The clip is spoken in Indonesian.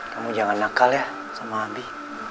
kamu jangan nakal ya sama habi